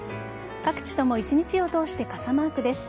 各地とも一日を通して傘マークです。